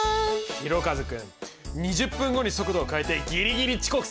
ひろかず君２０分後に速度を変えてギリギリ遅刻せず。